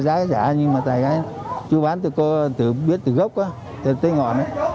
giá giả nhưng mà chú bán từ gốc tới ngọn